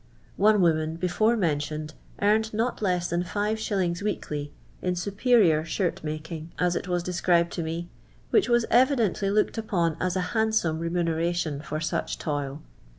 One woman (before mentioned) earned not less than 5s. weekly in superior shir^making, as it was described to me, which was evidently looked upon as a handsome remuneration for such toil.